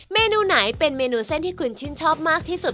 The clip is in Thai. เมนูไหนเป็นเมนูเส้นที่คุณชื่นชอบมากที่สุด